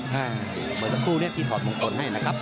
เมื่อสักครู่นี้ที่ถอดมงคลให้นะครับ